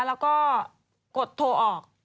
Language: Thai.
แล้วก็กดโทรออก